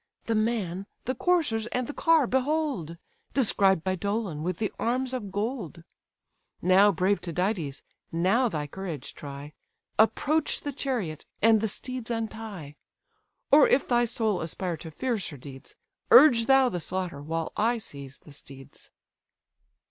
"The man, the coursers, and the car behold! Described by Dolon, with the arms of gold. Now, brave Tydides! now thy courage try, Approach the chariot, and the steeds untie; Or if thy soul aspire to fiercer deeds, Urge thou the slaughter, while I seize the steeds."